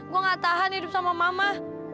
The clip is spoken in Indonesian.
gue gak tahan hidup sama mama